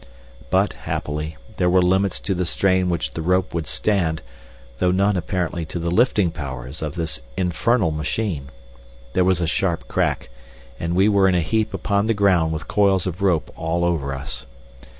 But, happily, there were limits to the strain which the rope would stand, though none apparently to the lifting powers of this infernal machine. There was a sharp crack, and we were in a heap upon the ground with coils of rope all over us.